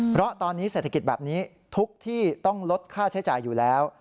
เพราะตอนนี้เศรษฐกิจแบบนี้ทุกที่ต้องลดค่าใช้จ่ายอยู่แล้ว